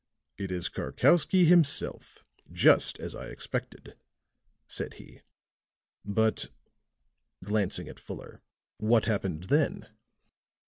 "It is Karkowsky himself, just as I expected," said he. "But," glancing at Fuller, "what happened then?"